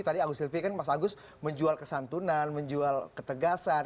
tadi agus silvi kan mas agus menjual kesantunan menjual ketegasan